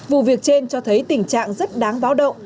vụ việc trên cho thấy tình trạng rất đáng báo động